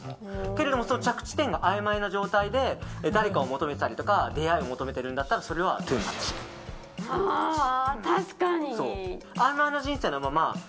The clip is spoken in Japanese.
けれども着地点があいまいな状態で誰かを求めたりとか出会いを求めてるんだったらそれはトゥーマッチ。